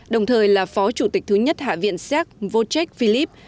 đồng thời là phó chủ tịch thứ nhất hạ viện séc vô trách philip